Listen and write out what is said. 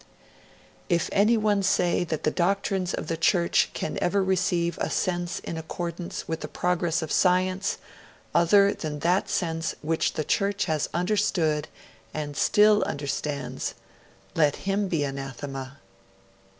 'If anyone says that the doctrines of the Church can ever receive a sense in accordance with the progress of science, other than that sense which the Church has understood and still understands, let him be anathema.'